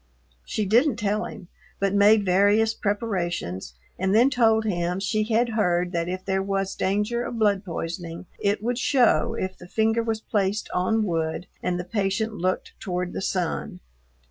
She didn't tell him, but made various preparations and then told him she had heard that if there was danger of blood poisoning it would show if the finger was placed on wood and the patient looked toward the sun.